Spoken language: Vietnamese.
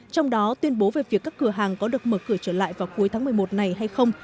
trong đó tuyên bố về việc các cửa hàng có được mở cửa trở lại vào cuối tháng một mươi một này hay không